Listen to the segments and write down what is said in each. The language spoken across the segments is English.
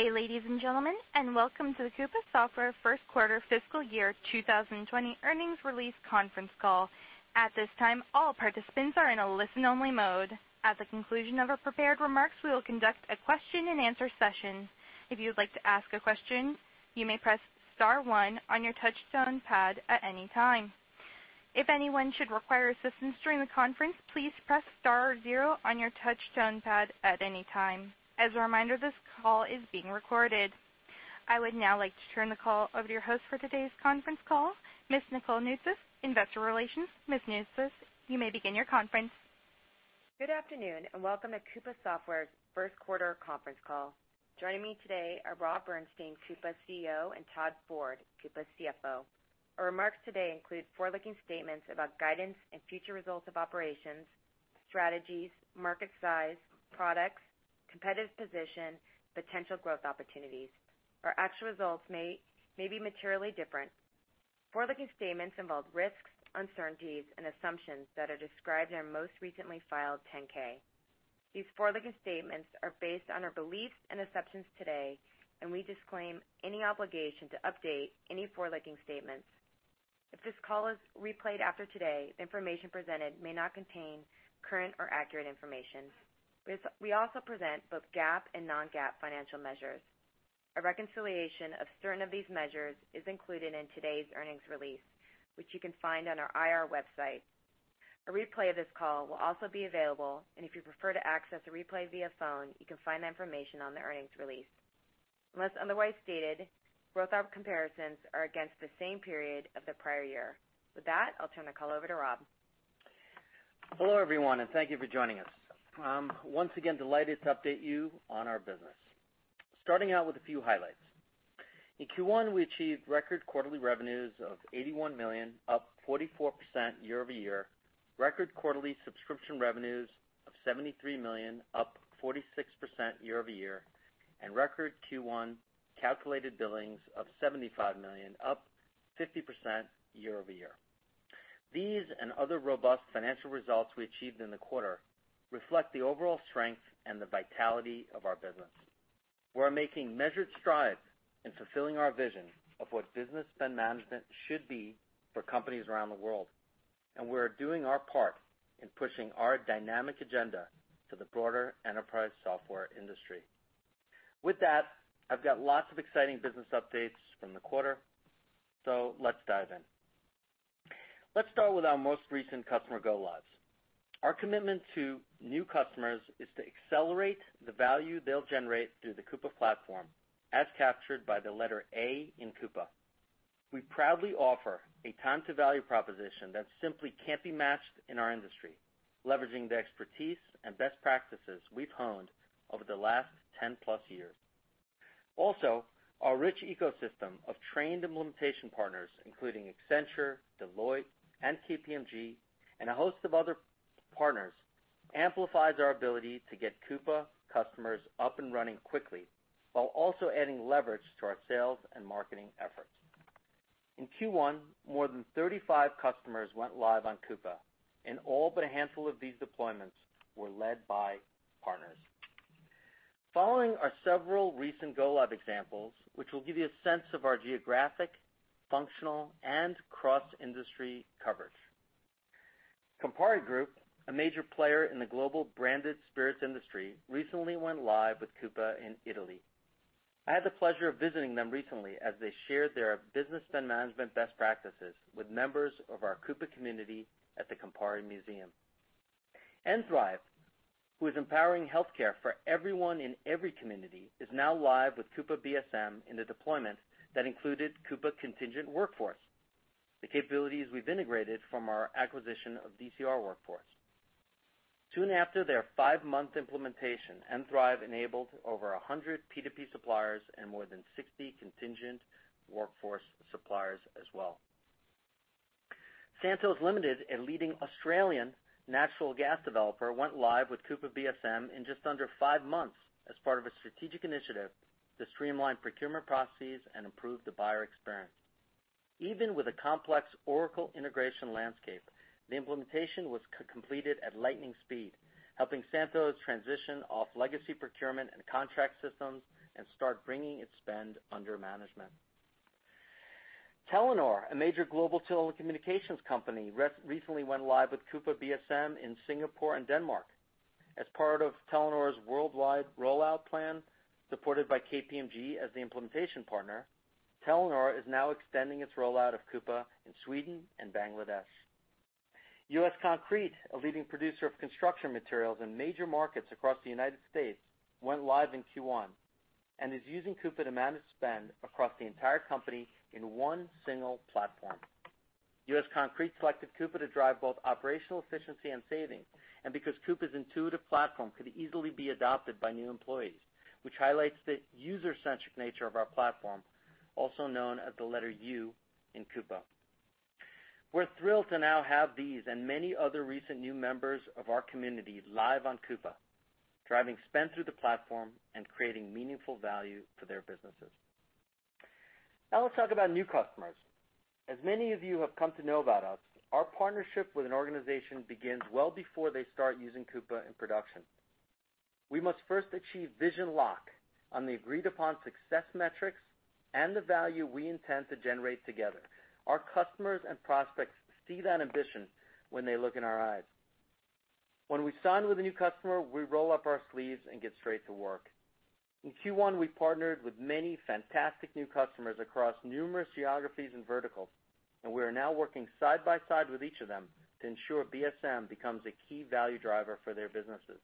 Good day, ladies and gentlemen, and welcome to the Coupa Software first quarter Fiscal Year 2020 earnings release conference call. At this time, all participants are in a listen-only mode. At the conclusion of our prepared remarks, we will conduct a question and answer session. If you would like to ask a question, you may press star one on your touchtone pad at any time. If anyone should require assistance during the conference, please press star zero on your touchtone pad at any time. As a reminder, this call is being recorded. I would now like to turn the call over to your host for today's conference call, Ms. Nicole Noutsios, investor relations. Ms. Noutsios, you may begin your conference. Good afternoon, and welcome to Coupa Software's first quarter conference call. Joining me today are Rob Bernshteyn, Coupa's CEO, and Todd Ford, Coupa's CFO. Our remarks today include forward-looking statements about guidance and future results of operations, strategies, market size, products, competitive position, potential growth opportunities. Our actual results may be materially different. Forward-looking statements involve risks, uncertainties, and assumptions that are described in our most recently filed 10-K. These forward-looking statements are based on our beliefs and assumptions today, and we disclaim any obligation to update any forward-looking statements. If this call is replayed after today, the information presented may not contain current or accurate information. We also present both GAAP and non-GAAP financial measures. A reconciliation of certain of these measures is included in today's earnings release, which you can find on our IR website. A replay of this call will also be available, and if you prefer to access a replay via phone, you can find that information on the earnings release. Unless otherwise stated, growth comparisons are against the same period of the prior year. With that, I'll turn the call over to Rob. Hello, everyone, and thank you for joining us. I'm once again delighted to update you on our business. Starting out with a few highlights. In Q1, we achieved record quarterly revenues of $81 million, up 44% year-over-year, record quarterly subscription revenues of $73 million, up 46% year-over-year, and record Q1 calculated billings of $75 million, up 50% year-over-year. These and other robust financial results we achieved in the quarter reflect the overall strength and the vitality of our business. We're making measured strides in fulfilling our vision of what business spend management should be for companies around the world, and we're doing our part in pushing our dynamic agenda to the broader enterprise software industry. With that, I've got lots of exciting business updates from the quarter, so let's dive in. Let's start with our most recent customer go lives. Our commitment to new customers is to accelerate the value they'll generate through the Coupa platform, as captured by the letter A in Coupa. We proudly offer a time-to-value proposition that simply can't be matched in our industry, leveraging the expertise and best practices we've honed over the last 10+ years. Our rich ecosystem of trained implementation partners, including Accenture, Deloitte, and KPMG, and a host of other partners, amplifies our ability to get Coupa customers up and running quickly, while also adding leverage to our sales and marketing efforts. In Q1, more than 35 customers went live on Coupa, and all but a handful of these deployments were led by partners. Following are several recent go-live examples, which will give you a sense of our geographic, functional, and cross-industry coverage. Campari Group, a major player in the global branded spirits industry, recently went live with Coupa in Italy. I had the pleasure of visiting them recently as they shared their business spend management best practices with members of our Coupa Community at the Campari Museum. nThrive, who is empowering healthcare for everyone in every community, is now live with Coupa BSM in a deployment that included Coupa Contingent Workforce, the capabilities we've integrated from our acquisition of DCR Workforce. Soon after their five-month implementation, nThrive enabled over 100 P2P suppliers and more than 60 contingent workforce suppliers as well. Santos Limited, a leading Australian natural gas developer, went live with Coupa BSM in just under five months as part of a strategic initiative to streamline procurement processes and improve the buyer experience. Even with a complex Oracle integration landscape, the implementation was completed at lightning speed, helping Santos transition off legacy procurement and contract systems and start bringing its spend under management. Telenor, a major global telecommunications company, recently went live with Coupa BSM in Singapore and Denmark. As part of Telenor's worldwide rollout plan, supported by KPMG as the implementation partner, Telenor is now extending its rollout of Coupa in Sweden and Bangladesh. U.S. Concrete, a leading producer of construction materials in major markets across the U.S., went live in Q1 and is using Coupa to manage spend across the entire company in one single platform. U.S. Concrete selected Coupa to drive both operational efficiency and savings, and because Coupa's intuitive platform could easily be adopted by new employees, which highlights the user-centric nature of our platform, also known as the letter U in Coupa. We're thrilled to now have these and many other recent new members of our community live on Coupa, driving spend through the platform and creating meaningful value for their businesses. Let's talk about new customers. As many of you have come to know about us, our partnership with an organization begins well before they start using Coupa in production. We must first achieve vision lock on the agreed-upon success metrics and the value we intend to generate together. Our customers and prospects see that ambition when they look in our eyes. When we sign with a new customer, we roll up our sleeves and get straight to work. In Q1, we partnered with many fantastic new customers across numerous geographies and verticals, and we are now working side by side with each of them to ensure BSM becomes a key value driver for their businesses.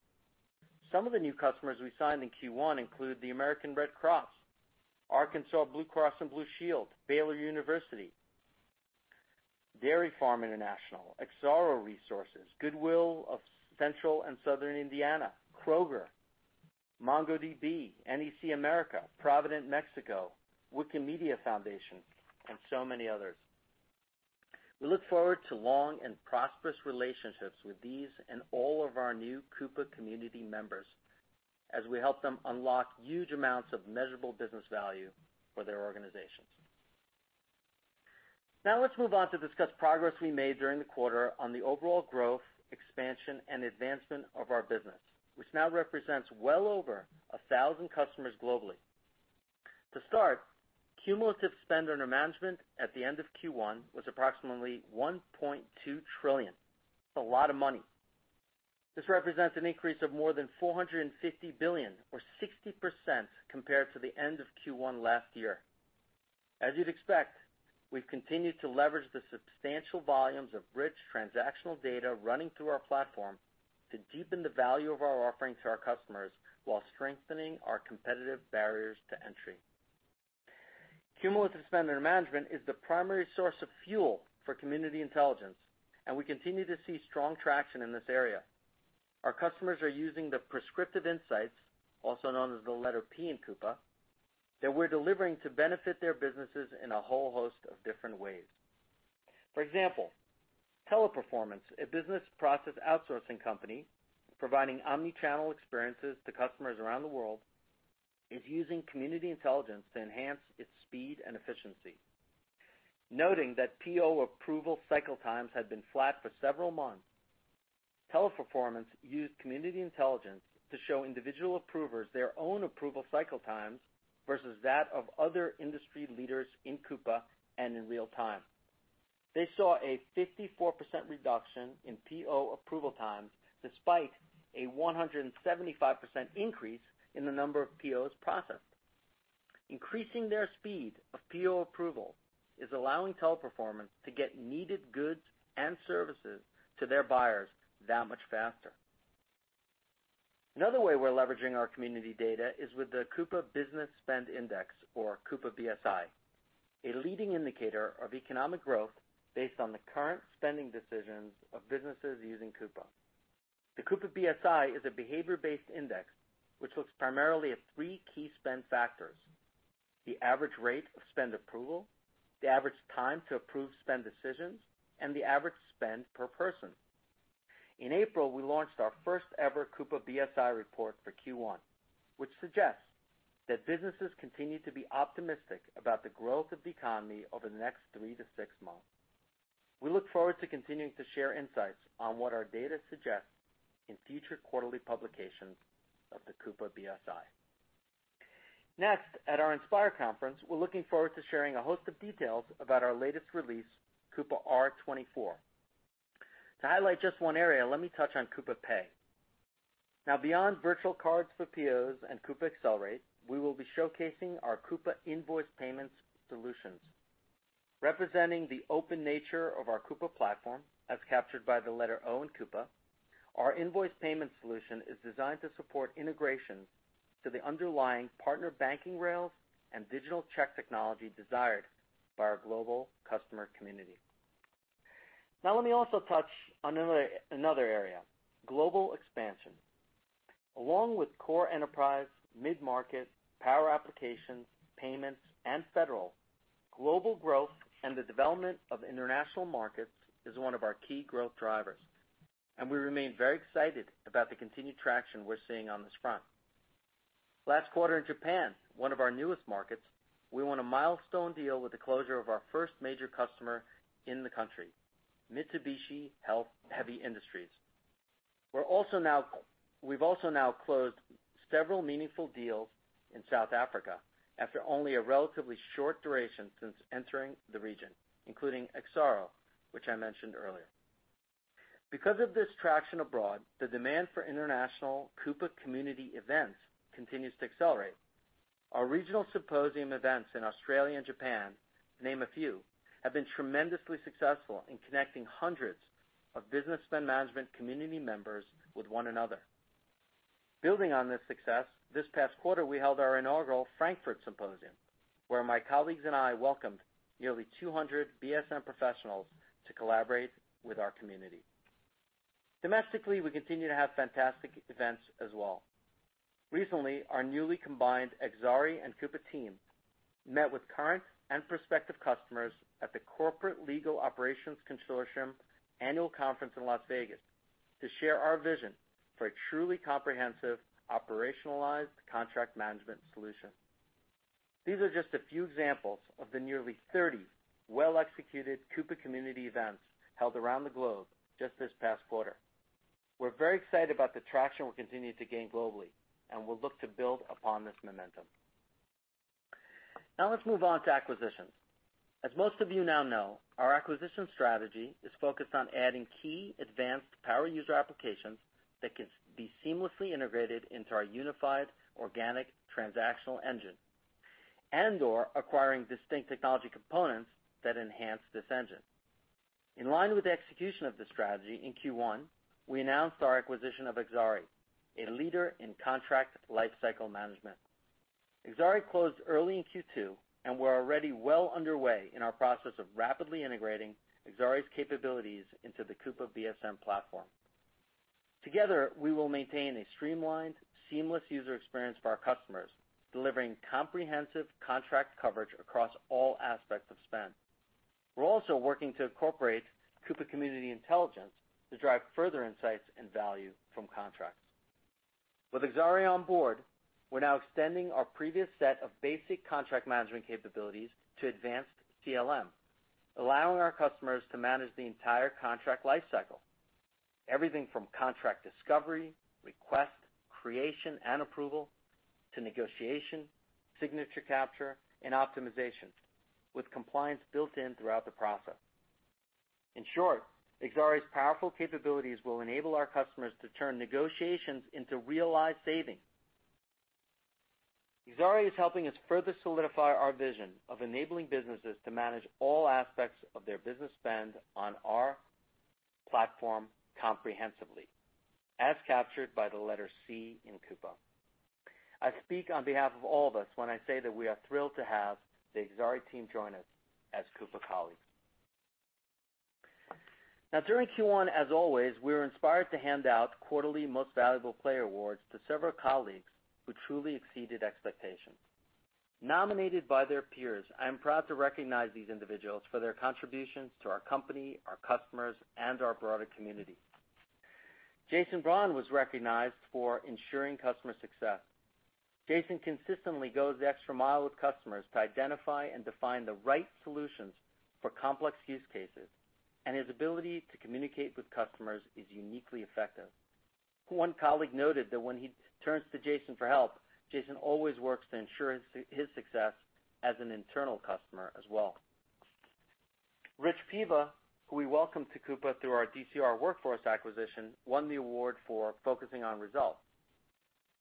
Some of the new customers we signed in Q1 include the American Red Cross, Arkansas Blue Cross and Blue Shield, Baylor University, Dairy Farm International, Exxaro Resources, Goodwill of Central and Southern Indiana, Kroger, MongoDB, NEC America, Provident Mexico, Wikimedia Foundation, and so many others. We look forward to long and prosperous relationships with these and all of our new Coupa Community members as we help them unlock huge amounts of measurable business value for their organizations. Let's move on to discuss progress we made during the quarter on the overall growth, expansion, and advancement of our business, which now represents well over 1,000 customers globally. To start, cumulative spend under management at the end of Q1 was approximately $1.2 trillion. That's a lot of money. This represents an increase of more than $450 billion or 60% compared to the end of Q1 last year. As you'd expect, we've continued to leverage the substantial volumes of rich transactional data running through our platform to deepen the value of our offering to our customers while strengthening our competitive barriers to entry. Cumulative spend under management is the primary source of fuel for Community Intelligence, and we continue to see strong traction in this area. Our customers are using the prescriptive insights, also known as the letter P in Coupa, that we're delivering to benefit their businesses in a whole host of different ways. For example, Teleperformance, a business process outsourcing company providing omni-channel experiences to customers around the world, is using Community Intelligence to enhance its speed and efficiency. Noting that PO approval cycle times had been flat for several months, Teleperformance used Community Intelligence to show individual approvers their own approval cycle times versus that of other industry leaders in Coupa and in real time. They saw a 54% reduction in PO approval times despite a 175% increase in the number of POs processed. Increasing their speed of PO approval is allowing Teleperformance to get needed goods and services to their buyers that much faster. Another way we're leveraging our community data is with the Coupa Business Spend Index, or Coupa BSI, a leading indicator of economic growth based on the current spending decisions of businesses using Coupa. The Coupa BSI is a behavior-based index, which looks primarily at three key spend factors, the average rate of spend approval, the average time to approve spend decisions, and the average spend per person. In April, we launched our first-ever Coupa BSI report for Q1, which suggests that businesses continue to be optimistic about the growth of the economy over the next three to six months. We look forward to continuing to share insights on what our data suggests in future quarterly publications of the Coupa BSI. Next, at our Inspire conference, we're looking forward to sharing a host of details about our latest release, Coupa R24. To highlight just one area, let me touch on Coupa Pay. Beyond virtual cards for POs and Coupa Accelerate, we will be showcasing our Coupa invoice payments solutions. Representing the open nature of our Coupa platform, as captured by the letter O in Coupa, our invoice payment solution is designed to support integrations to the underlying partner banking rails and digital check technology desired by our global customer community. Let me also touch on another area, global expansion. Along with core enterprise, mid-market, power applications, payments, and federal, global growth and the development of international markets is one of our key growth drivers, and we remain very excited about the continued traction we're seeing on this front. Last quarter in Japan, one of our newest markets, we won a milestone deal with the closure of our first major customer in the country, Mitsubishi Heavy Industries. We've also now closed several meaningful deals in South Africa after only a relatively short duration since entering the region, including Exxaro, which I mentioned earlier. Because of this traction abroad, the demand for international Coupa Community events continues to accelerate. Our regional symposium events in Australia and Japan, to name a few, have been tremendously successful in connecting hundreds of business spend management community members with one another. Building on this success, this past quarter, we held our inaugural Frankfurt Symposium, where my colleagues and I welcomed nearly 200 BSM professionals to collaborate with our community. Domestically, we continue to have fantastic events as well. Recently, our newly combined Exari and Coupa team met with current and prospective customers at the Corporate Legal Operations Consortium Annual Conference in Las Vegas. To share our vision for a truly comprehensive operationalized contract management solution. These are just a few examples of the nearly 30 well-executed Coupa Community events held around the globe just this past quarter. We're very excited about the traction we're continuing to gain globally. We'll look to build upon this momentum. Now let's move on to acquisitions. As most of you now know, our acquisition strategy is focused on adding key advanced power user applications that can be seamlessly integrated into our unified organic transactional engine and/or acquiring distinct technology components that enhance this engine. In line with the execution of this strategy in Q1, we announced our acquisition of Exari, a leader in contract lifecycle management. Exari closed early in Q2, and we're already well underway in our process of rapidly integrating Exari's capabilities into the Coupa BSM platform. Together, we will maintain a streamlined, seamless user experience for our customers, delivering comprehensive contract coverage across all aspects of spend. We're also working to incorporate Coupa Community intelligence to derive further insights and value from contracts. With Exari on board, we're now extending our previous set of basic contract management capabilities to advanced CLM, allowing our customers to manage the entire contract lifecycle. Everything from contract discovery, request, creation, and approval to negotiation, signature capture, and optimization with compliance built-in throughout the process. In short, Exari's powerful capabilities will enable our customers to turn negotiations into realized savings. Exari is helping us further solidify our vision of enabling businesses to manage all aspects of their business spend on our platform comprehensively, as captured by the letter C in Coupa. I speak on behalf of all of us when I say that we are thrilled to have the Exari team join us as Coupa colleagues. Now during Q1, as always, we were inspired to hand out quarterly Most Valuable Player awards to several colleagues who truly exceeded expectations. Nominated by their peers, I am proud to recognize these individuals for their contributions to our company, our customers, and our broader community. Jason Braun was recognized for ensuring customer success. Jason consistently goes the extra mile with customers to identify and define the right solutions for complex use cases. His ability to communicate with customers is uniquely effective. One colleague noted that when he turns to Jason for help, Jason always works to ensure his success as an internal customer as well. Rich Peva, who we welcomed to Coupa through our DCR Workforce acquisition, won the award for focusing on results.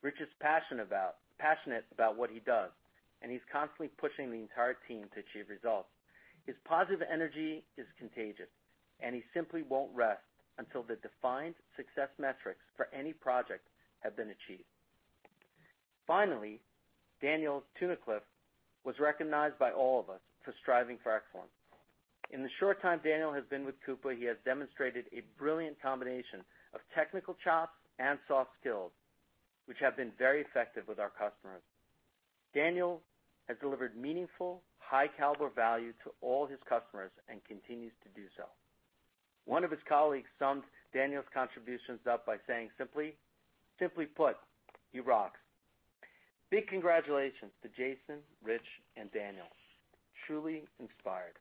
Rich is passionate about what he does. He's constantly pushing the entire team to achieve results. His positive energy is contagious. He simply won't rest until the defined success metrics for any project have been achieved. Finally, Daniel Tunnicliffe was recognized by all of us for striving for excellence. In the short time Daniel has been with Coupa, he has demonstrated a brilliant combination of technical chops and soft skills, which have been very effective with our customers. Daniel has delivered meaningful, high-caliber value to all his customers and continues to do so. One of his colleagues summed Daniel's contributions up by saying simply, "Simply put, he rocks." Big congratulations to Jason, Rich, and Daniel. Truly inspired.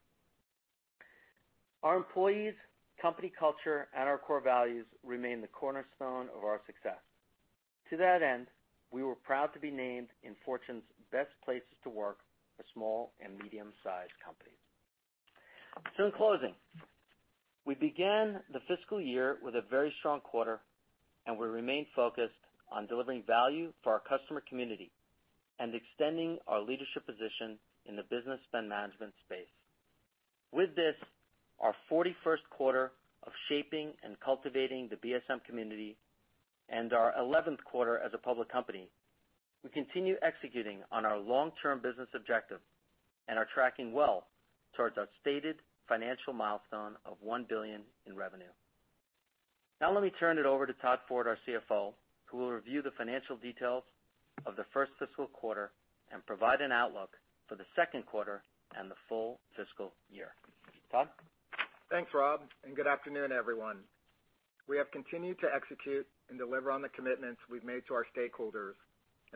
Our employees, company culture, and our core values remain the cornerstone of our success. To that end, we were proud to be named in Fortune's Best Places to Work for small and medium-sized companies. In closing, we began the fiscal year with a very strong quarter. We remain focused on delivering value for our customer community and extending our leadership position in the Business Spend Management space. With this, our 41st quarter of shaping and cultivating the BSM community and our 11th quarter as a public company, we continue executing on our long-term business objective and are tracking well towards our stated financial milestone of $1 billion in revenue. Now let me turn it over to Todd Ford, our CFO, who will review the financial details of the first fiscal quarter and provide an outlook for the second quarter and the full fiscal year. Todd? Thanks, Rob. Good afternoon, everyone. We have continued to execute and deliver on the commitments we've made to our stakeholders.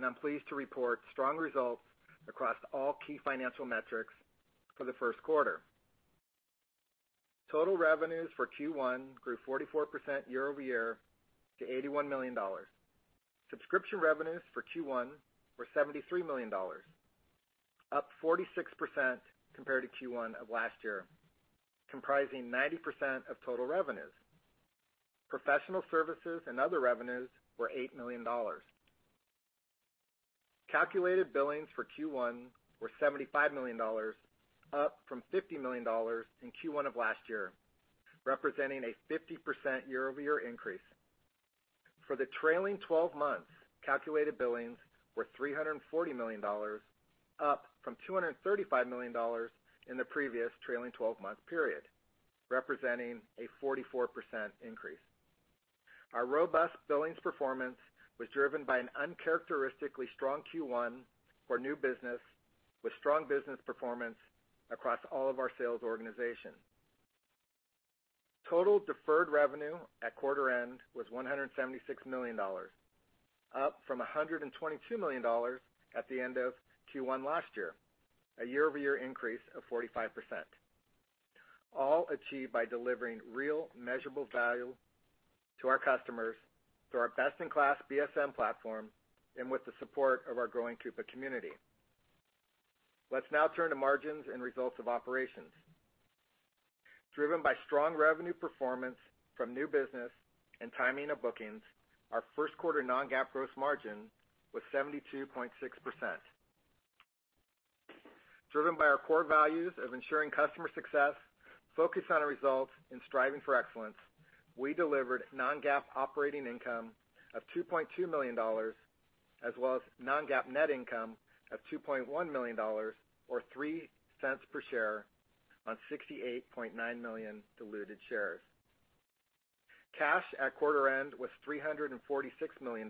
I'm pleased to report strong results across all key financial metrics for the first quarter. Total revenues for Q1 grew 44% year-over-year to $81 million. Subscription revenues for Q1 were $73 million, up 46% compared to Q1 of last year, comprising 90% of total revenues. Professional services and other revenues were $8 million. Calculated billings for Q1 were $75 million, up from $50 million in Q1 of last year, representing a 50% year-over-year increase. For the trailing 12 months, calculated billings were $340 million, up from $235 million in the previous trailing 12-month period, representing a 44% increase. Our robust billings performance was driven by an uncharacteristically strong Q1 for new business. With strong business performance across all of our sales organization. Total deferred revenue at quarter end was $176 million, up from $122 million at the end of Q1 last year, a year-over-year increase of 45%, all achieved by delivering real measurable value to our customers through our best-in-class BSM platform and with the support of our growing Coupa Community. Let's now turn to margins and results of operations. Driven by strong revenue performance from new business and timing of bookings, our first quarter non-GAAP gross margin was 72.6%. Driven by our core values of ensuring customer success, focused on results, and striving for excellence, we delivered non-GAAP operating income of $2.2 million, as well as non-GAAP net income of $2.1 million or $0.03 per share on 68.9 million diluted shares. Cash at quarter end was $346 million,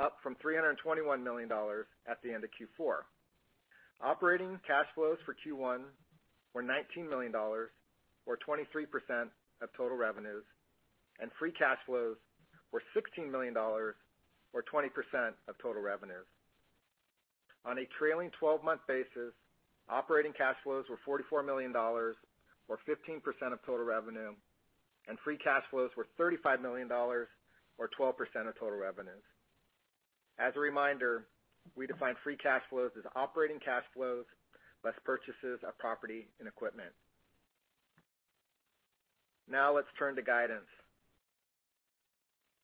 up from $321 million at the end of Q4. Operating cash flows for Q1 were $19 million or 23% of total revenues, and free cash flows were $16 million or 20% of total revenues. On a trailing 12-month basis, operating cash flows were $44 million or 15% of total revenue, and free cash flows were $35 million or 12% of total revenues. As a reminder, we define free cash flows as operating cash flows less purchases of property and equipment. Let's turn to guidance.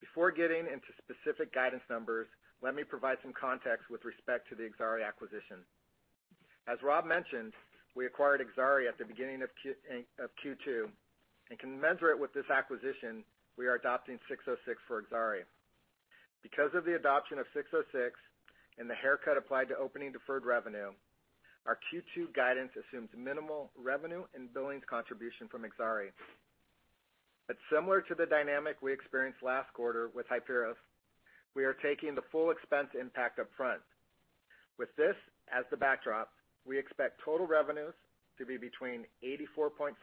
Before getting into specific guidance numbers, let me provide some context with respect to the Exari acquisition. As Rob mentioned, we acquired Exari at the beginning of Q2, and commensurate with this acquisition, we are adopting 606 for Exari. Because of the adoption of 606 and the haircut applied to opening deferred revenue, our Q2 guidance assumes minimal revenue and billings contribution from Exari. Similar to the dynamic we experienced last quarter with Hiperos, we are taking the full expense impact upfront. With this as the backdrop, we expect total revenues to be between $84.5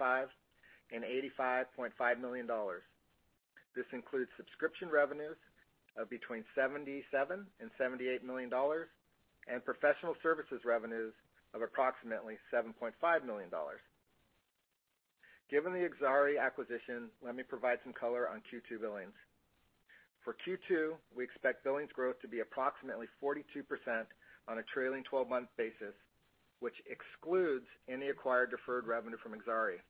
million-$85.5 million. This includes subscription revenues of between $77 million-$78 million, and professional services revenues of approximately $7.5 million. Given the Exari acquisition, let me provide some color on Q2 billings. For Q2, we expect billings growth to be approximately 42% on a trailing 12-month basis, which excludes any acquired deferred revenue from Exari.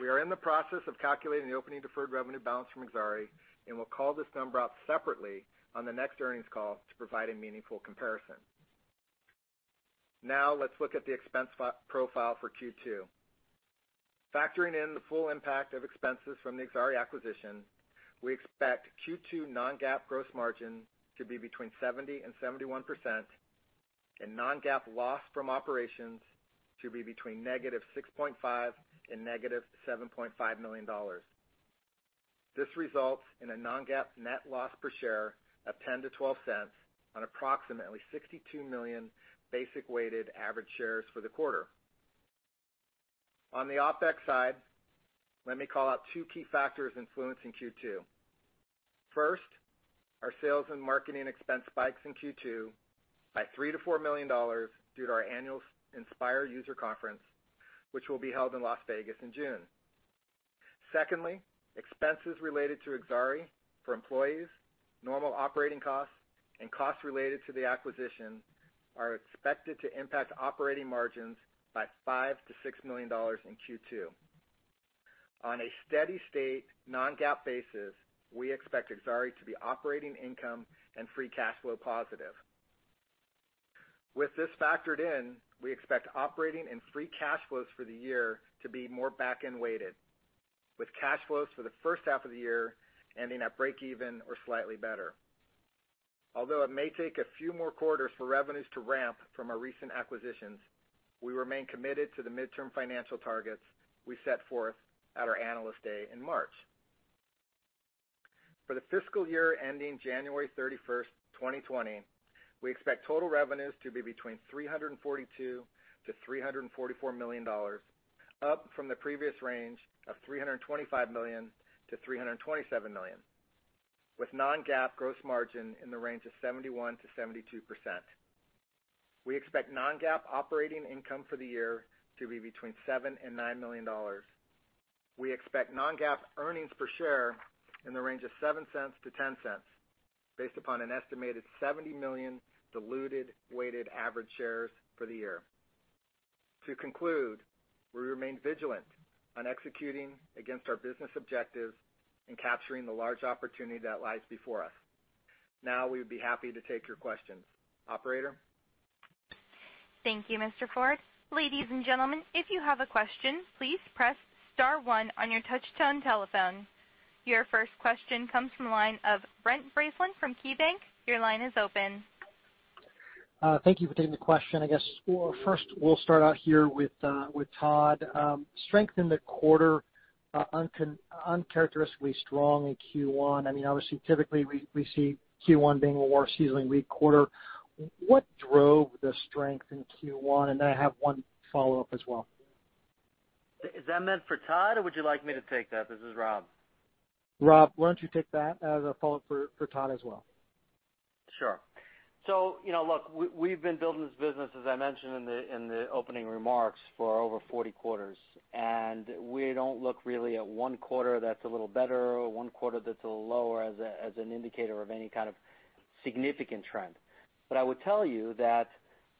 We are in the process of calculating the opening deferred revenue balance from Exari, and we'll call this number out separately on the next earnings call to provide a meaningful comparison. Let's look at the expense profile for Q2. Factoring in the full impact of expenses from the Exari acquisition, we expect Q2 non-GAAP gross margin to be between 70%-71%, and non-GAAP loss from operations to be between -$6.5 million and -$7.5 million. This results in a non-GAAP net loss per share of $0.10-$0.12 on approximately 62 million basic weighted average shares for the quarter. On the OpEx side, let me call out two key factors influencing Q2. First, our sales and marketing expense spikes in Q2 by $3 million-$4 million due to our annual Inspire user conference, which will be held in Las Vegas in June. Secondly, expenses related to Exari for employees, normal operating costs, and costs related to the acquisition are expected to impact operating margins by $5 million-$6 million in Q2. On a steady state non-GAAP basis, we expect Exari to be operating income and free cash flow positive. With this factored in, we expect operating and free cash flows for the year to be more back-end weighted, with cash flows for the first half of the year ending at break even or slightly better. Although it may take a few more quarters for revenues to ramp from our recent acquisitions, we remain committed to the midterm financial targets we set forth at our Analyst Day in March. For the fiscal year ending January 31st, 2020, we expect total revenues to be between $342 million-$344 million, up from the previous range of $325 million-$327 million, with non-GAAP gross margin in the range of 71%-72%. We expect non-GAAP operating income for the year to be between $7 million and $9 million. We expect non-GAAP earnings per share in the range of $0.07-$0.10 based upon an estimated 70 million diluted weighted average shares for the year. To conclude, we remain vigilant on executing against our business objectives and capturing the large opportunity that lies before us. Now, we would be happy to take your questions. Operator? Thank you, Mr. Ford. Ladies and gentlemen, if you have a question, please press star 1 on your touchtone telephone. Your first question comes from the line of Brent Bracelin from KeyBanc. Your line is open. Thank you for taking the question. I guess first we'll start out here with Todd. Strength in the quarter uncharacteristically strong in Q1. Obviously, typically, we see Q1 being a worse seasonally weak quarter. What drove the strength in Q1? And then I have one follow-up as well. Is that meant for Todd, or would you like me to take that? This is Rob. Rob, why don't you take that as a follow-up for Todd as well? Sure. Look, we've been building this business, as I mentioned in the opening remarks, for over 40 quarters, we don't look really at one quarter that's a little better or one quarter that's a little lower as an indicator of any kind of significant trend. I would tell you that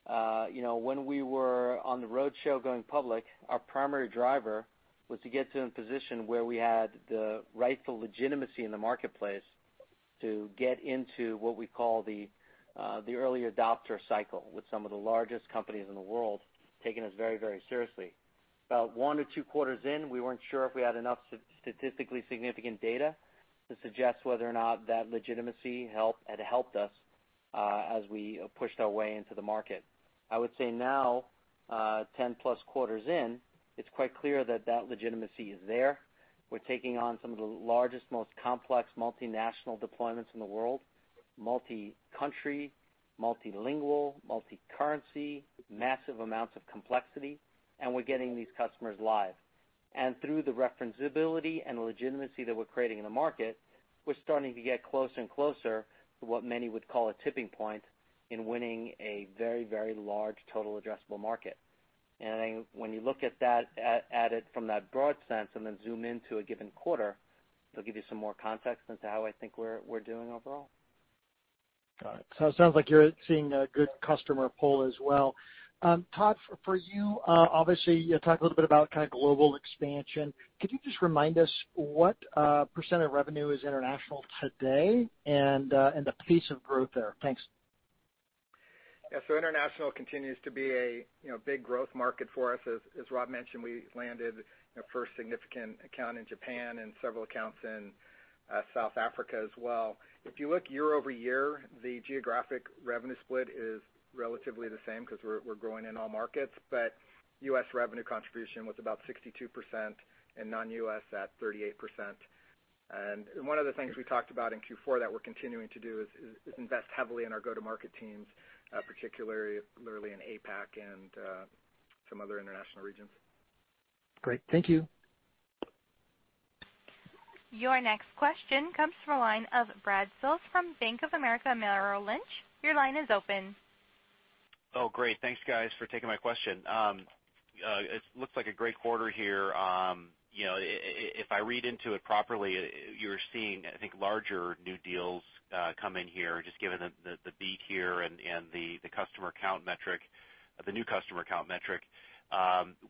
when we were on the roadshow going public, our primary driver was to get to a position where we had the rightful legitimacy in the marketplace to get into what we call the early adopter cycle, with some of the largest companies in the world taking us very, very seriously. About one to two quarters in, we weren't sure if we had enough statistically significant data to suggest whether or not that legitimacy had helped us, as we pushed our way into the market. I would say now, 10 plus quarters in, it's quite clear that that legitimacy is there. We're taking on some of the largest, most complex multinational deployments in the world, multi-country, multilingual, multi-currency, massive amounts of complexity, we're getting these customers live. Through the referenceability and legitimacy that we're creating in the market, we're starting to get closer and closer to what many would call a tipping point in winning a very, very large total addressable market. When you look at it from that broad sense and then zoom into a given quarter, it'll give you some more context into how I think we're doing overall. Got it. It sounds like you're seeing a good customer pull as well. Todd, for you, obviously, you talked a little bit about global expansion. Could you just remind us what % of revenue is international today and the pace of growth there? Thanks. Yeah. International continues to be a big growth market for us. As Rob mentioned, we landed our first significant account in Japan and several accounts in South Africa as well. If you look year-over-year, the geographic revenue split is relatively the same because we're growing in all markets, but U.S. revenue contribution was about 62% and non-U.S. at 38%. One of the things we talked about in Q4 that we're continuing to do is invest heavily in our go-to-market teams, particularly in APAC and some other international regions. Great. Thank you. Your next question comes from the line of Brad Sills from Bank of America Merrill Lynch. Your line is open. Oh, great. Thanks, guys, for taking my question. It looks like a great quarter here. If I read into it properly, you're seeing, I think, larger new deals come in here, just given the beat here and the new customer count metric.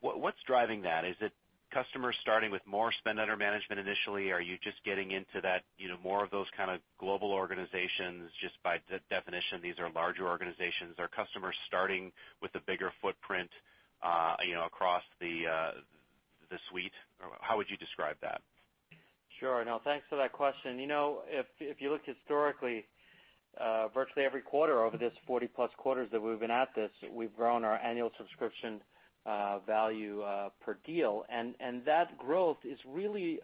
What's driving that? Is it customers starting with more spend under management initially? Are you just getting into more of those kind of global organizations, just by definition, these are larger organizations? Are customers starting with a bigger footprint across the suite? How would you describe that? Sure. No, thanks for that question. If you look historically, virtually every quarter over this 40+ quarters that we've been at this, we've grown our annual subscription value per deal. That growth is really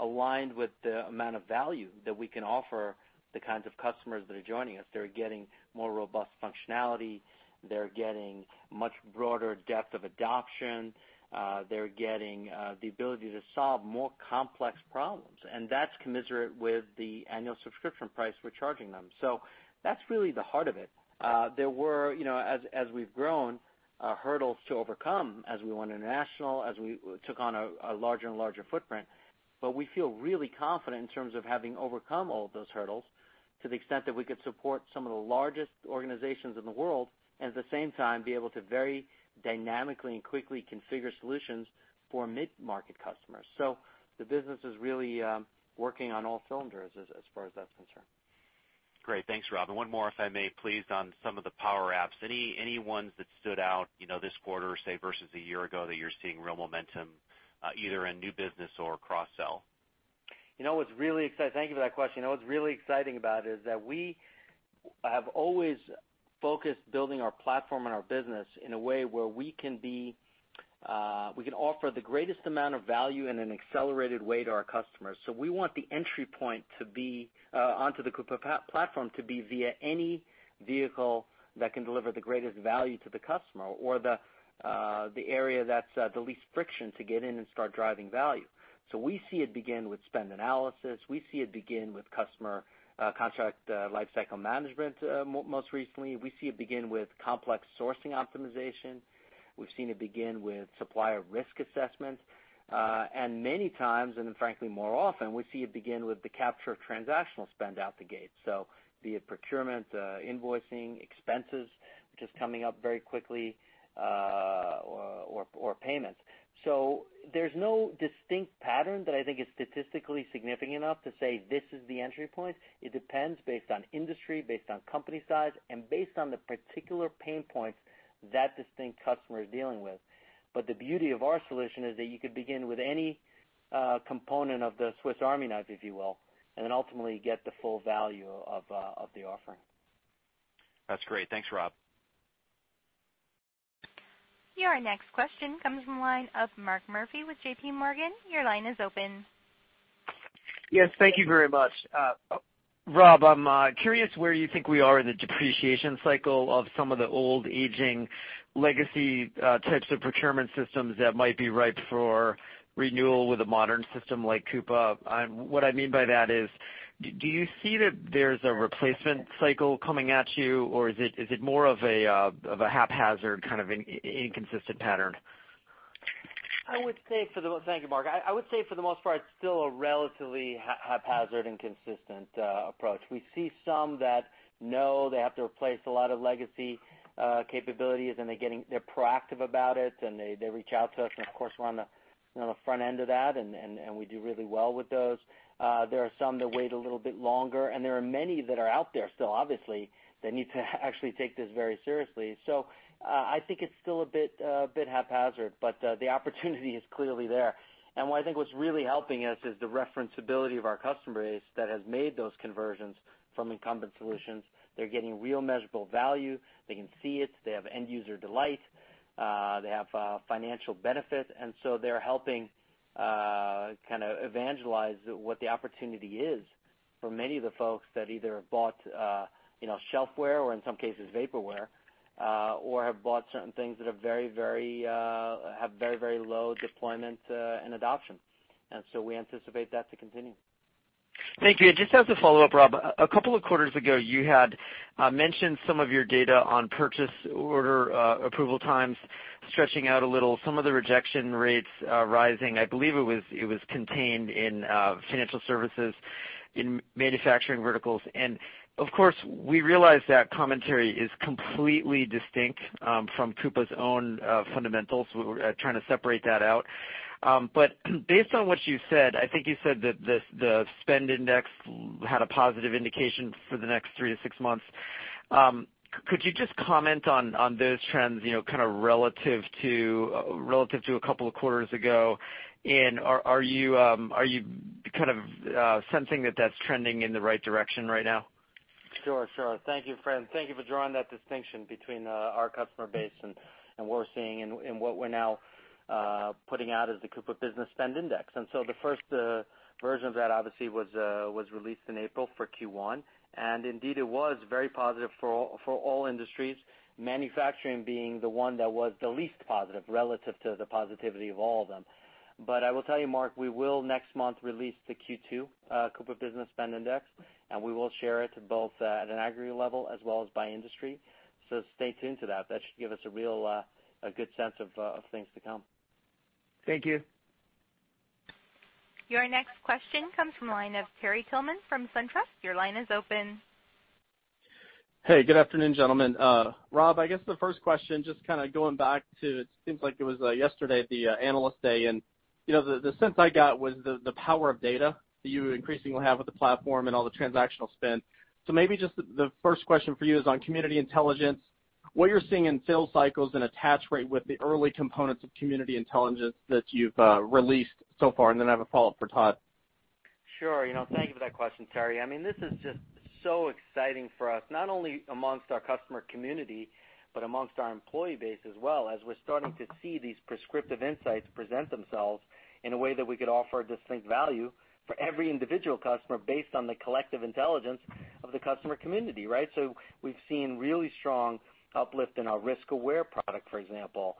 aligned with the amount of value that we can offer the kinds of customers that are joining us. They're getting more robust functionality. They're getting much broader depth of adoption. They're getting the ability to solve more complex problems, and that's commensurate with the annual subscription price we're charging them. That's really the heart of it. There were, as we've grown, hurdles to overcome as we went international, as we took on a larger and larger footprint, but we feel really confident in terms of having overcome all of those hurdles to the extent that we could support some of the largest organizations in the world, and at the same time, be able to very dynamically and quickly configure solutions for mid-market customers. The business is really working on all cylinders as far as that's concerned. Great. Thanks, Rob. One more, if I may, please, on some of the power apps. Any ones that stood out this quarter, say, versus a year ago, that you're seeing real momentum, either in new business or cross-sell? Thank you for that question. What's really exciting about it is that we have always focused building our platform and our business in a way where we can offer the greatest amount of value in an accelerated way to our customers. We want the entry point onto the Coupa platform to be via any vehicle that can deliver the greatest value to the customer or the area that's the least friction to get in and start driving value. We see it begin with spend analysis. We see it begin with customer contract lifecycle management, most recently. We see it begin with complex sourcing optimization. We've seen it begin with supplier risk assessment. Many times, and frankly, more often, we see it begin with the capture of transactional spend out the gate. Be it procurement, invoicing, expenses, which is coming up very quickly, or payments. There's no distinct pattern that I think is statistically significant enough to say, "This is the entry point." It depends based on industry, based on company size, and based on the particular pain points that distinct customer is dealing with. The beauty of our solution is that you could begin with any component of the Swiss Army knife, if you will, and then ultimately get the full value of the offering. That's great. Thanks, Rob. Your next question comes from the line of Mark Murphy with JPMorgan. Your line is open. Yes. Thank you very much. Rob, I'm curious where you think we are in the depreciation cycle of some of the old aging legacy types of procurement systems that might be ripe for renewal with a modern system like Coupa. What I mean by that is, do you see that there's a replacement cycle coming at you, or is it more of a haphazard kind of inconsistent pattern? Thank you, Mark. I would say for the most part, it's still a relatively haphazard inconsistent approach. We see some that know they have to replace a lot of legacy capabilities, they're proactive about it, and they reach out to us. Of course, we're on the front end of that, and we do really well with those. There are some that wait a little bit longer, and there are many that are out there still, obviously, that need to actually take this very seriously. I think it's still a bit haphazard, the opportunity is clearly there. What I think what's really helping us is the reference ability of our customer base that has made those conversions from incumbent solutions. They're getting real measurable value. They can see it. They have end user delight. They have financial benefit. They're helping kind of evangelize what the opportunity is for many of the folks that either have bought shelfware or in some cases vaporware, or have bought certain things that have very low deployment and adoption. We anticipate that to continue. Thank you. Just as a follow-up, Rob, a couple of quarters ago, you had mentioned some of your data on purchase order approval times stretching out a little, some of the rejection rates rising. I believe it was contained in financial services, in manufacturing verticals. Of course, we realize that commentary is completely distinct from Coupa's own fundamentals. We're trying to separate that out. Based on what you said, I think you said that the spend index had a positive indication for the next 3-6 months. Could you just comment on those trends, kind of relative to a couple of quarters ago? Are you kind of sensing that that's trending in the right direction right now? Sure. Thank you for drawing that distinction between our customer base and what we're seeing, and what we're now putting out as the Coupa Business Spend Index. The first version of that obviously was released in April for Q1, and indeed it was very positive for all industries, manufacturing being the one that was the least positive relative to the positivity of all of them. I will tell you, Mark, we will next month release the Q2 Coupa Business Spend Index, and we will share it both at an aggregate level as well as by industry. Stay tuned to that. That should give us a good sense of things to come. Thank you. Your next question comes from the line of Terry Tillman from SunTrust. Your line is open. Hey, good afternoon, gentlemen. Rob, I guess the first question, just kind of going back to, it seems like it was yesterday at the Analyst Day, and the sense I got was the power of data that you increasingly have with the platform and all the transactional spend. Maybe just the first question for you is on community intelligence, what you're seeing in sales cycles and attach rate with the early components of community intelligence that you've released so far, and then I have a follow-up for Todd. Sure. Thank you for that question, Terry. This is just so exciting for us, not only amongst our customer community, but amongst our employee base as well as we're starting to see these prescriptive insights present themselves in a way that we could offer a distinct value for every individual customer based on the collective intelligence of the customer community, right? We've seen really strong uplift in our Risk Aware product, for example,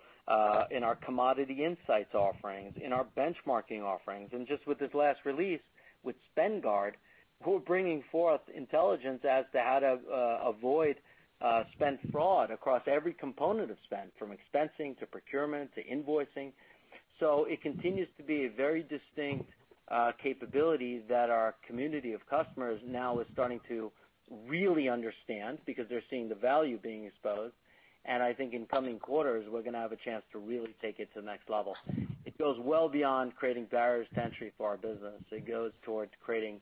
in our commodity insights offerings, in our benchmarking offerings. Just with this last release, with Spend Guard, we're bringing forth intelligence as to how to avoid spend fraud across every component of spend, from expensing to procurement to invoicing. It continues to be a very distinct capability that our community of customers now is starting to really understand because they're seeing the value being exposed. I think in coming quarters, we're going to have a chance to really take it to the next level. It goes well beyond creating barriers to entry for our business. It goes towards creating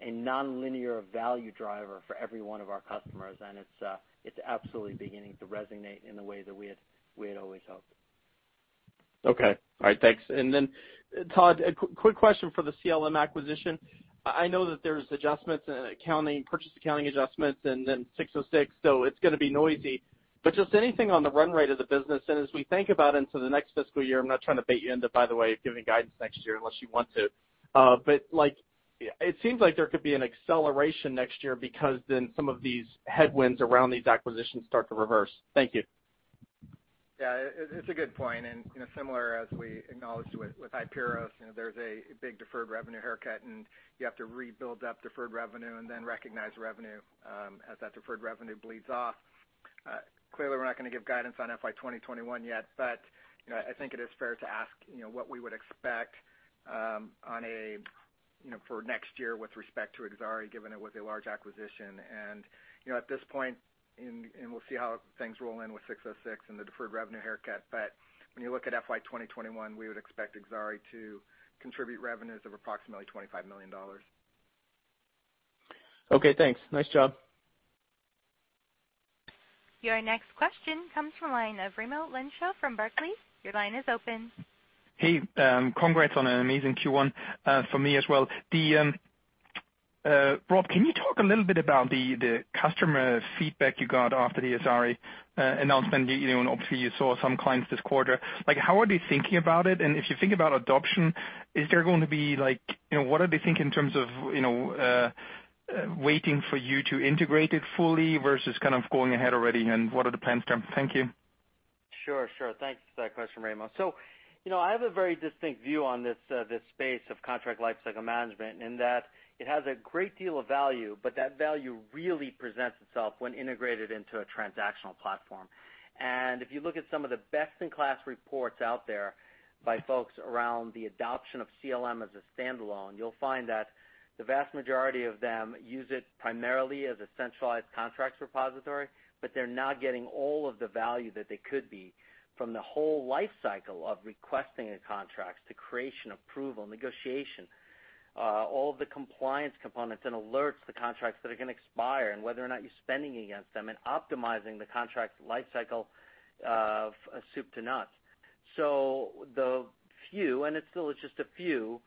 a nonlinear value driver for every one of our customers, and it's absolutely beginning to resonate in the way that we had always hoped. Okay. All right, thanks. Then Todd, a quick question for the CLM acquisition. I know that there's adjustments in accounting, purchase accounting adjustments, and then 606, so it's going to be noisy. Just anything on the run rate of the business, and as we think about into the next fiscal year, I'm not trying to bait you into, by the way, giving guidance next year unless you want to. It seems like there could be an acceleration next year because then some of these headwinds around these acquisitions start to reverse. Thank you. Yeah. It's a good point, and similar as we acknowledged with Hiperos, there's a big deferred revenue haircut, and you have to rebuild that deferred revenue and then recognize revenue, as that deferred revenue bleeds off. Clearly, we're not going to give guidance on FY 2021 yet, but I think it is fair to ask what we would expect for next year with respect to Exari, given it was a large acquisition. At this point, and we'll see how things roll in with 606 and the deferred revenue haircut, but when you look at FY 2021, we would expect Exari to contribute revenues of approximately $25 million. Okay, thanks. Nice job. Your next question comes from the line of Raimo Lenschow from Barclays. Your line is open. Hey, congrats on an amazing Q1 for me as well. Rob, can you talk a little bit about the customer feedback you got after the Exari announcement? Obviously, you saw some clients this quarter. How are they thinking about it? If you think about adoption, what do they think in terms of waiting for you to integrate it fully versus going ahead already, and what are the plans there? Thank you. Sure. Thanks for that question, Raimo. I have a very distinct view on this space of contract lifecycle management, in that it has a great deal of value, but that value really presents itself when integrated into a transactional platform. If you look at some of the best-in-class reports out there by folks around the adoption of CLM as a standalone, you'll find that the vast majority of them use it primarily as a centralized contracts repository, but they're not getting all of the value that they could be from the whole life cycle of requesting a contract, to creation, approval, negotiation, all of the compliance components, and alerts, the contracts that are going to expire and whether or not you're spending against them, and optimizing the contract lifecycle of soup to nuts. The few, and it still is just a few,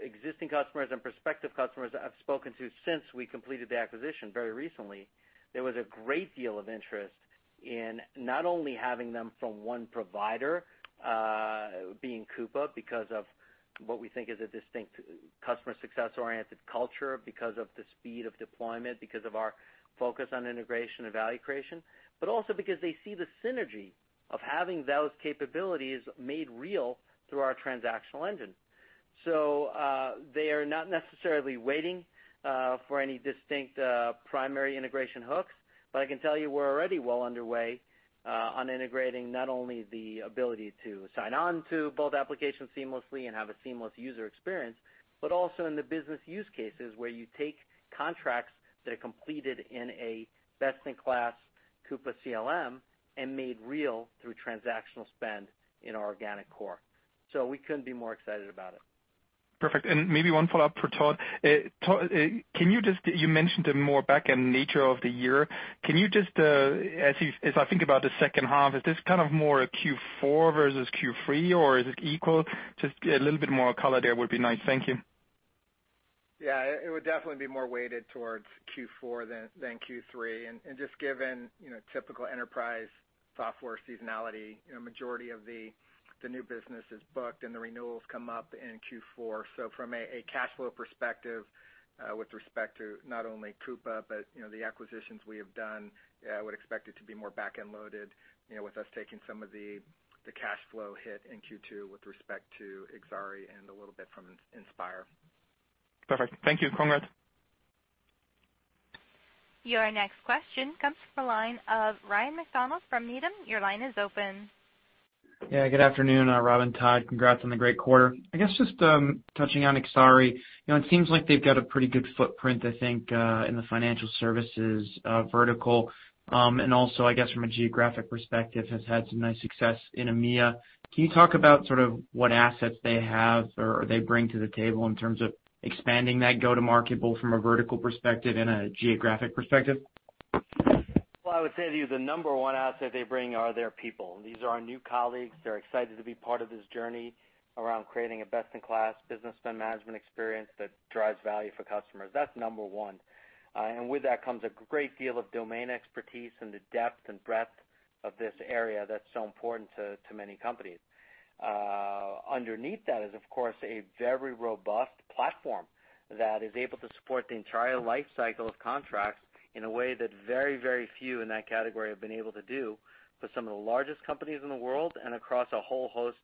existing customers and prospective customers that I've spoken to since we completed the acquisition very recently, there was a great deal of interest in not only having them from one provider, being Coupa, because of what we think is a distinct customer success-oriented culture, because of the speed of deployment, because of our focus on integration and value creation, but also because they see the synergy of having those capabilities made real through our transactional engine. They are not necessarily waiting for any distinct primary integration hooks. But I can tell you we're already well underway on integrating not only the ability to sign on to both applications seamlessly and have a seamless user experience, but also in the business use cases where you take contracts that are completed in a best-in-class Coupa CLM and made real through transactional spend in our organic core. We couldn't be more excited about it. Perfect. Maybe one follow-up for Todd. Todd, you mentioned a more back-end nature of the year. As I think about the second half, is this more a Q4 versus Q3, or is it equal? Just a little bit more color there would be nice. Thank you. Yeah. It would definitely be more weighted towards Q4 than Q3. Just given typical enterprise software seasonality, majority of the new business is booked, and the renewals come up in Q4. From a cash flow perspective, with respect to not only Coupa, but the acquisitions we have done, I would expect it to be more back-end loaded, with us taking some of the cash flow hit in Q2 with respect to Exari and a little bit from Inspire. Perfect. Thank you. Congrats. Your next question comes from the line of Ryan MacDonald from Needham. Your line is open. Good afternoon, Rob and Todd. Congrats on the great quarter. I guess just touching on Exari, it seems like they've got a pretty good footprint, I think, in the financial services vertical. Also, I guess from a geographic perspective, has had some nice success in EMEA. Can you talk about what assets they have or they bring to the table in terms of expanding that go-to-market, both from a vertical perspective and a geographic perspective? I would say the number one asset they bring are their people. These are our new colleagues. They're excited to be part of this journey around creating a best-in-class Business Spend Management experience that drives value for customers. That's number one. With that comes a great deal of domain expertise and the depth and breadth of this area that's so important to many companies. Underneath that is, of course, a very robust platform that is able to support the entire life cycle of contracts in a way that very, very few in that category have been able to do for some of the largest companies in the world and across a whole host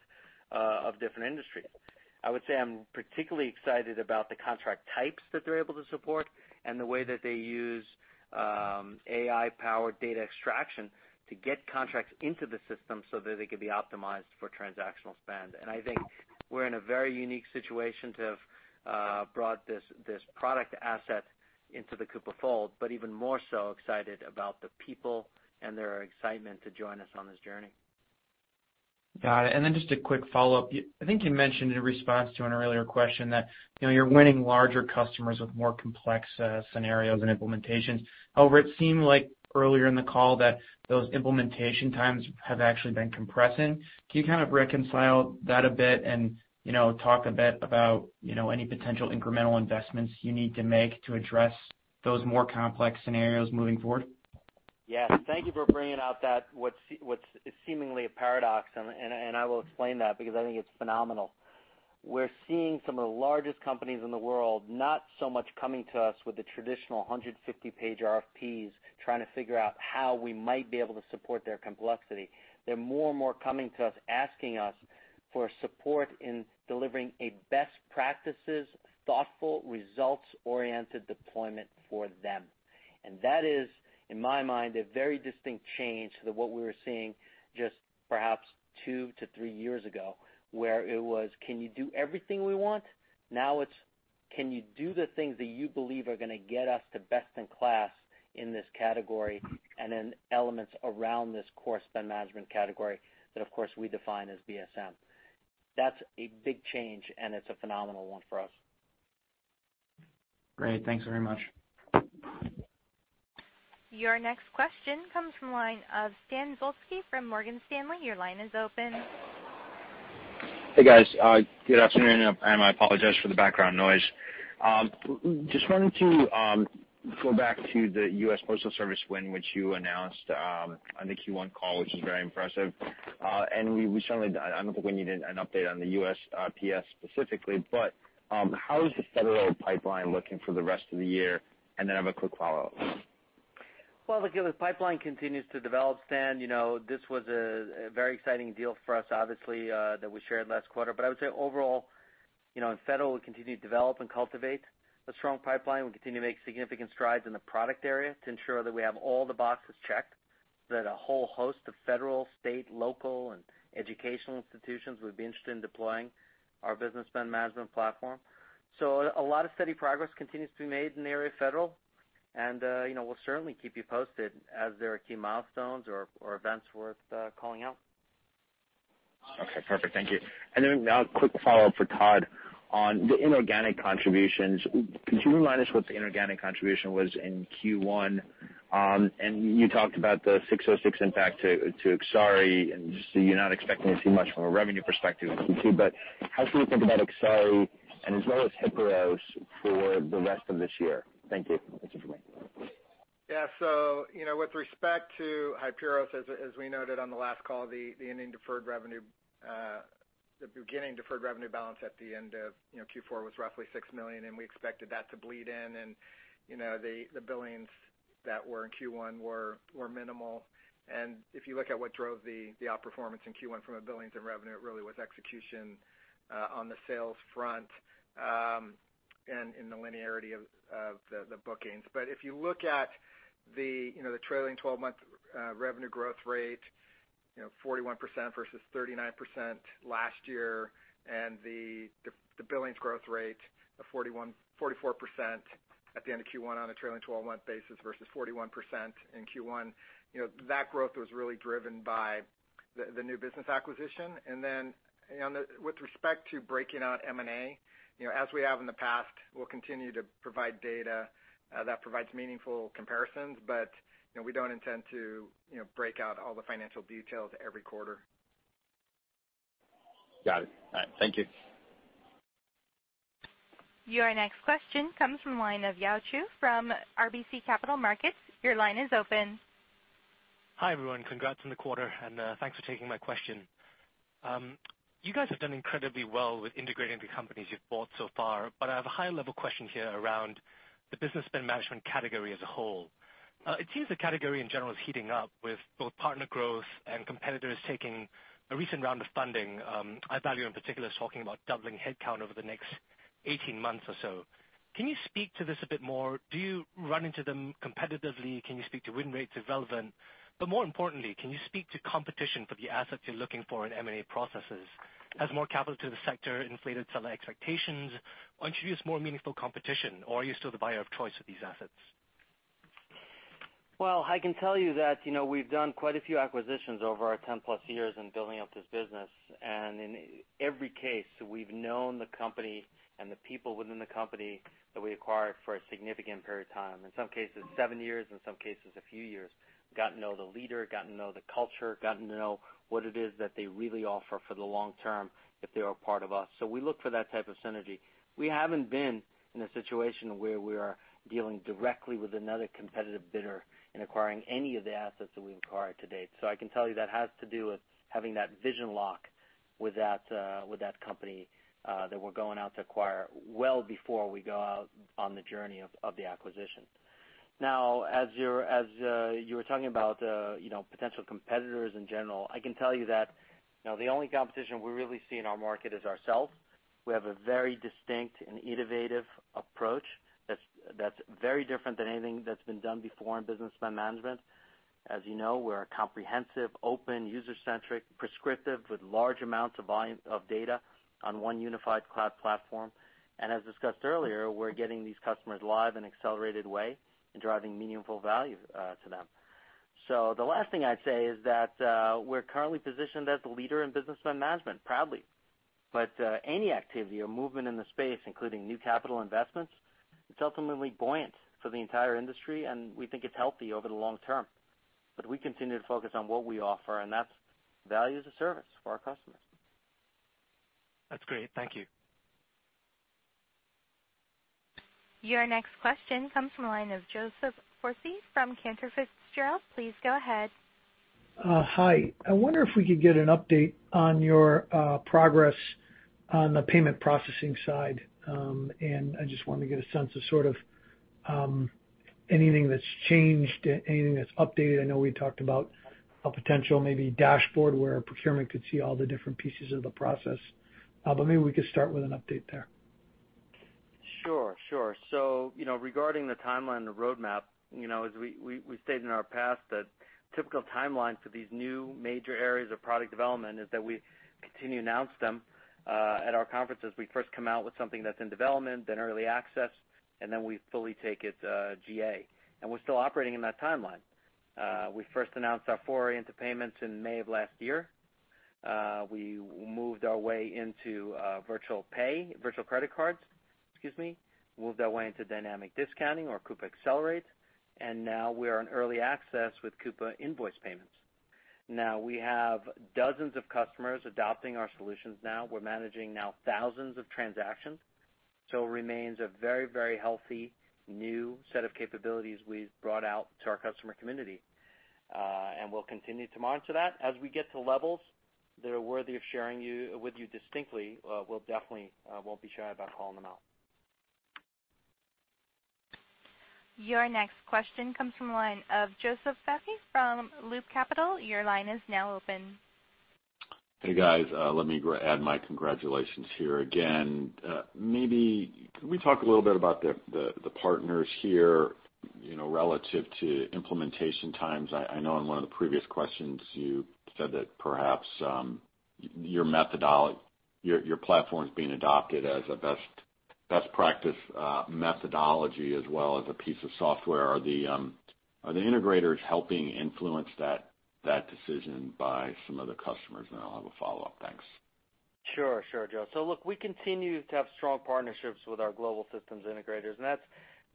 of different industries. I would say I'm particularly excited about the contract types that they're able to support and the way that they use AI-powered data extraction to get contracts into the system so that they can be optimized for transactional spend. I think we're in a very unique situation to have brought this product asset into the Coupa fold, but even more so excited about the people and their excitement to join us on this journey. Got it. Then just a quick follow-up. I think you mentioned in response to an earlier question that you're winning larger customers with more complex scenarios and implementations. However, it seemed like earlier in the call that those implementation times have actually been compressing. Can you reconcile that a bit and talk a bit about any potential incremental investments you need to make to address those more complex scenarios moving forward? Yes. Thank you for bringing out that what's seemingly a paradox. I will explain that because I think it's phenomenal. We're seeing some of the largest companies in the world, not so much coming to us with the traditional 150-page RFPs, trying to figure out how we might be able to support their complexity. They're more and more coming to us, asking us for support in delivering a best practices, thoughtful, results-oriented deployment for them. That is, in my mind, a very distinct change to what we were seeing just perhaps two to three years ago, where it was, "Can you do everything we want?" Now it's, "Can you do the things that you believe are going to get us to best in class in this category?" Then elements around this core spend management category that, of course, we define as BSM. That's a big change. It's a phenomenal one for us. Great. Thanks very much. Your next question comes from the line of Stan Zlotsky from Morgan Stanley. Your line is open. Hey, guys. Good afternoon, and I apologize for the background noise. Just wanted to go back to the US Postal Service win, which you announced on the Q1 call, which was very impressive. I don't know if we need an update on the USPS specifically, but how is the federal pipeline looking for the rest of the year? I have a quick follow-up. The pipeline continues to develop, Stan. This was a very exciting deal for us, obviously, that we shared last quarter. I would say overall, in federal, we continue to develop and cultivate a strong pipeline. We continue to make significant strides in the product area to ensure that we have all the boxes checked, that a whole host of federal, state, local, and educational institutions would be interested in deploying our Business Spend Management platform. A lot of steady progress continues to be made in the area of federal, and we'll certainly keep you posted as there are key milestones or events worth calling out. Okay, perfect. Thank you. A quick follow-up for Todd on the inorganic contributions. Could you remind us what the inorganic contribution was in Q1? You talked about the 606 impact to Exari, so you're not expecting too much from a revenue perspective in Q2, but how should we think about Exari and as well as Hiperos for the rest of this year? Thank you. That's it for me. Yeah. With respect to Hiperos, as we noted on the last call, the beginning deferred revenue balance at the end of Q4 was roughly $6 million, and we expected that to bleed in, and the billings that were in Q1 were minimal. If you look at what drove the outperformance in Q1 from a billings and revenue, it really was execution on the sales front and in the linearity of the bookings. If you look at the trailing 12-month revenue growth rate, 41% versus 39% last year, and the billings growth rate of 44% at the end of Q1 on a trailing 12-month basis versus 41% in Q1. That growth was really driven by the new business acquisition. With respect to breaking out M&A, as we have in the past, we'll continue to provide data that provides meaningful comparisons, but we don't intend to break out all the financial details every quarter. Got it. All right. Thank you. Your next question comes from the line of Joseph Chu from RBC Capital Markets. Your line is open. Hi, everyone. Congrats on the quarter. Thanks for taking my question. You guys have done incredibly well with integrating the companies you've bought so far. I have a high-level question here around the business spend management category as a whole. It seems the category in general is heating up with both partner growth and competitors taking a recent round of funding. Ivalua in particular talking about doubling headcount over the next 18 months or so. Can you speak to this a bit more? Do you run into them competitively? Can you speak to win rates development? More importantly, can you speak to competition for the assets you're looking for in M&A processes? Has more capital to the sector inflated seller expectations, or introduce more meaningful competition, or are you still the buyer of choice of these assets? Well, I can tell you that we've done quite a few acquisitions over our 10-plus years in building up this business. In every case, we've known the company and the people within the company that we acquired for a significant period of time. In some cases, seven years, in some cases, a few years. Gotten to know the leader, gotten to know the culture, gotten to know what it is that they really offer for the long term if they are a part of us. We look for that type of synergy. We haven't been in a situation where we are dealing directly with another competitive bidder in acquiring any of the assets that we've acquired to date. I can tell you that has to do with having that vision lock with that company that we're going out to acquire well before we go out on the journey of the acquisition. Now, as you were talking about potential competitors in general, I can tell you that the only competition we really see in our market is ourself. We have a very distinct and innovative approach that's very different than anything that's been done before in business spend management. As you know, we're a comprehensive, open, user-centric, prescriptive with large amounts of data on one unified cloud platform. As discussed earlier, we're getting these customers live in an accelerated way and driving meaningful value to them. The last thing I'd say is that we're currently positioned as the leader in business spend management, proudly. Any activity or movement in the space, including new capital investments, it's ultimately buoyant for the entire industry, and we think it's healthy over the long term. We continue to focus on what we offer, and that's value as a service for our customers. That's great. Thank you. Your next question comes from the line of Joseph Foresi from Cantor Fitzgerald. Please go ahead. Hi. I wonder if we could get an update on your progress on the payment processing side. I just wanted to get a sense of sort of anything that's changed, anything that's updated. I know we talked about a potential maybe dashboard where procurement could see all the different pieces of the process. Maybe we could start with an update there. Sure. Regarding the timeline and the roadmap, as we stated in our past that typical timeline for these new major areas of product development is that we continue to announce them at our conferences. We first come out with something that's in development, then early access, and then we fully take it GA. We're still operating in that timeline. We first announced our foray into payments in May of last year. We moved our way into virtual credit cards, moved our way into dynamic discounting or Coupa Accelerate, and now we're on early access with Coupa invoice payments. We have dozens of customers adopting our solutions now. We're managing now thousands of transactions. It remains a very, very healthy new set of capabilities we've brought out to our customer community. We'll continue to monitor that. As we get to levels that are worthy of sharing with you distinctly, we'll definitely won't be shy about calling them out. Your next question comes from the line of Joseph Vafi from Loop Capital. Your line is now open. Hey, guys. Let me add my congratulations here again. Maybe could we talk a little bit about the partners here, relative to implementation times? I know in one of the previous questions you said that perhaps your platform's being adopted as a best practice methodology as well as a piece of software. Are the integrators helping influence that decision by some of the customers? Then I'll have a follow-up. Thanks. Sure, Joe. Look, we continue to have strong partnerships with our global systems integrators, and that's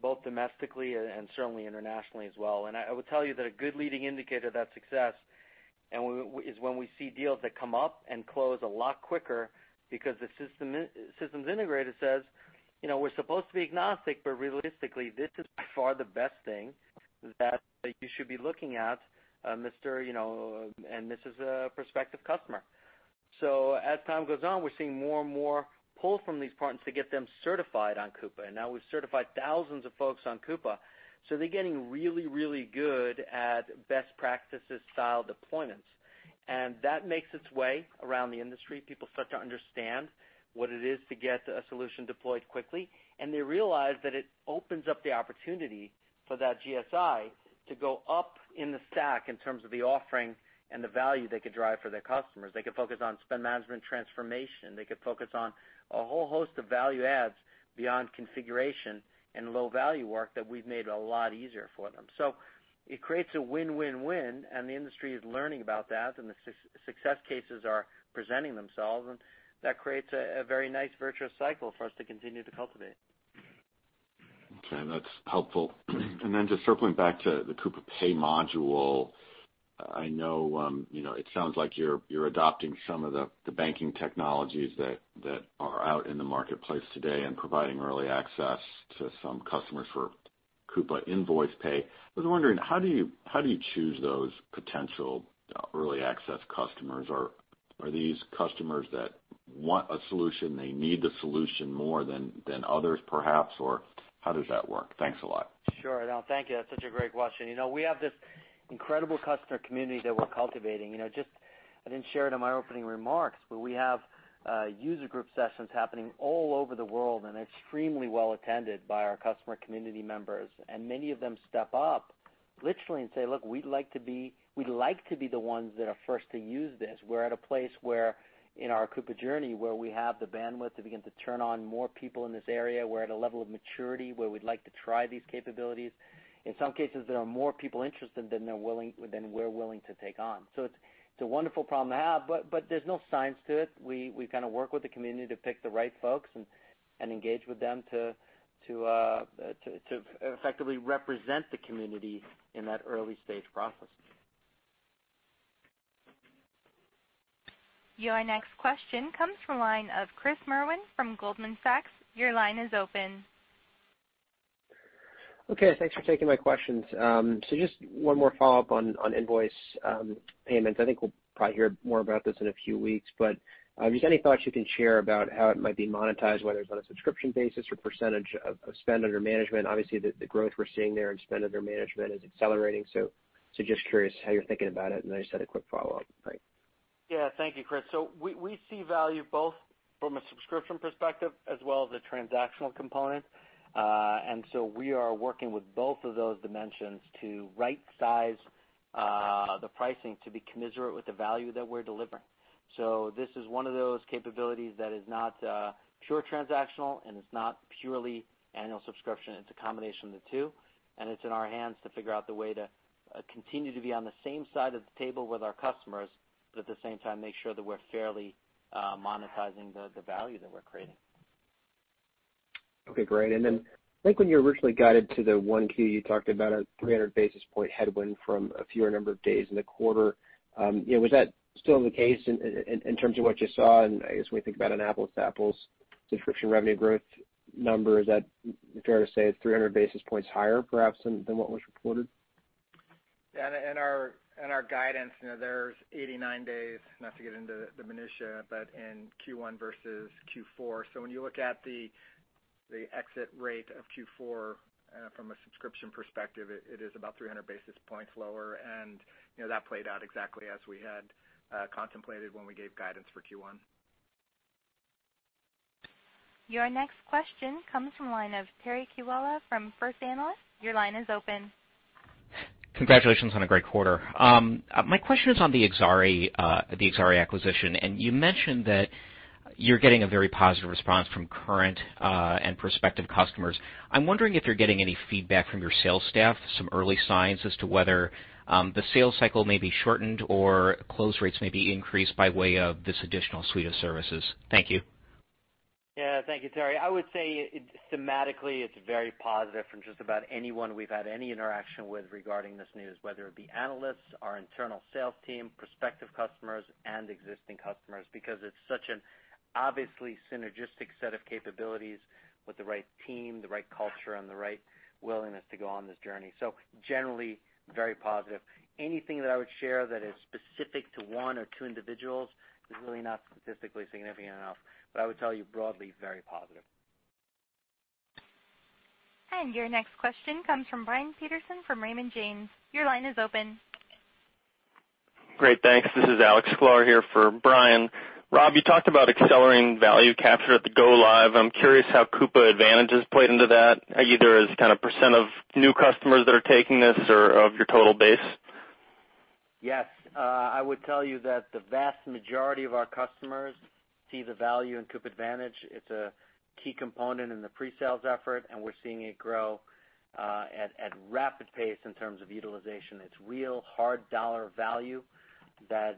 both domestically and certainly internationally as well. I would tell you that a good leading indicator of that success is when we see deals that come up and close a lot quicker because the systems integrator says, "We're supposed to be agnostic, but realistically, this is by far the best thing that you should be looking at, mister," this is a prospective customer. As time goes on, we're seeing more and more pull from these partners to get them certified on Coupa. Now we've certified thousands of folks on Coupa, so they're getting really, really good at best practices style deployments. That makes its way around the industry. People start to understand what it is to get a solution deployed quickly, and they realize that it opens up the opportunity for that GSI to go up in the stack in terms of the offering and the value they could drive for their customers. They could focus on spend management transformation. They could focus on a whole host of value adds beyond configuration and low-value work that we've made a lot easier for them. It creates a win-win-win, the industry is learning about that, the success cases are presenting themselves, that creates a very nice virtuous cycle for us to continue to cultivate. Okay. That's helpful. Just circling back to the Coupa Pay module, I know it sounds like you're adopting some of the banking technologies that are out in the marketplace today and providing early access to some customers for Coupa invoice pay. I was wondering, how do you choose those potential early access customers? Are these customers that want a solution, they need the solution more than others, perhaps? How does that work? Thanks a lot. Sure. No, thank you. That's such a great question. We have this incredible customer community that we're cultivating. I didn't share it in my opening remarks, but we have user group sessions happening all over the world extremely well-attended by our Coupa Community members. Many of them step up literally and say, "Look, we'd like to be the ones that are first to use this. We're at a place where, in our Coupa journey, where we have the bandwidth to begin to turn on more people in this area. We're at a level of maturity where we'd like to try these capabilities." In some cases, there are more people interested than we're willing to take on. It's a wonderful problem to have, there's no science to it. We kind of work with the community to pick the right folks and engage with them to effectively represent the community in that early stage process. Your next question comes from the line of Chris Merwin from Goldman Sachs. Your line is open. Okay. Thanks for taking my questions. Just one more follow-up on invoice payments. I think we'll probably hear more about this in a few weeks, but just any thoughts you can share about how it might be monetized, whether it's on a subscription basis or percentage of spend under management. The growth we're seeing there in spend under management is accelerating, just curious how you're thinking about it. I just had a quick follow-up. Great. Yeah. Thank you, Chris. We see value both from a subscription perspective as well as a transactional component. We are working with both of those dimensions to right size the pricing to be commensurate with the value that we're delivering. This is one of those capabilities that is not pure transactional, and it's not purely annual subscription. It's a combination of the two, it's in our hands to figure out the way to continue to be on the same side of the table with our customers, at the same time, make sure that we're fairly monetizing the value that we're creating. Okay, great. I think when you originally guided to the Q1, you talked about a 300 basis point headwind from a fewer number of days in the quarter. Was that still the case in terms of what you saw? I guess when we think about an apples-to-apples subscription revenue growth number, is that fair to say it's 300 basis points higher, perhaps, than what was reported? Yeah. In our guidance, there's 89 days, not to get into the minutia, but in Q1 versus Q4. When you look at the exit rate of Q4 from a subscription perspective, it is about 300 basis points lower, and that played out exactly as we had contemplated when we gave guidance for Q1. Your next question comes from the line of Terry Kiwala from First Analysis. Your line is open. Congratulations on a great quarter. My question is on the Exari acquisition. You mentioned that you're getting a very positive response from current and prospective customers. I'm wondering if you're getting any feedback from your sales staff, some early signs as to whether the sales cycle may be shortened or close rates may be increased by way of this additional suite of services. Thank you. Thank you, Terry. I would say thematically, it's very positive from just about anyone we've had any interaction with regarding this news, whether it be analysts, our internal sales team, prospective customers and existing customers, because it's such an obviously synergistic set of capabilities with the right team, the right culture, and the right willingness to go on this journey. Generally, very positive. Anything that I would share that is specific to one or two individuals is really not statistically significant enough, but I would tell you broadly, very positive. Your next question comes from Brian Peterson from Raymond James. Your line is open. Great, thanks. This is Alex Sklar here for Brian. Rob, you talked about accelerating value capture at the go live. I'm curious how Coupa Advantage has played into that, either as kind of % of new customers that are taking this or of your total base. Yes. I would tell you that the vast majority of our customers see the value in Coupa Advantage. It's a key component in the pre-sales effort, and we're seeing it grow at rapid pace in terms of utilization. It's real hard dollar value that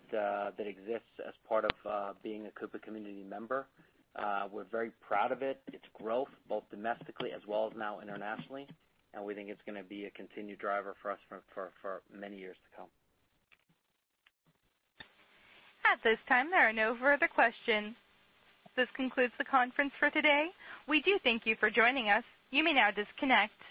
exists as part of being a Coupa Community member. We're very proud of it, its growth, both domestically as well as now internationally, and we think it's going to be a continued driver for us for many years to come. At this time, there are no further questions. This concludes the conference for today. We do thank you for joining us. You may now disconnect.